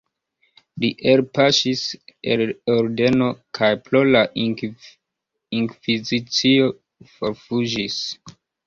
Li elpaŝis el ordeno kaj pro la inkvizicio forfuĝis.